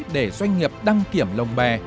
để doanh nghiệp đăng kiểm lồng bè